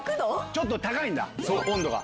ちょっと高いんだ温度が。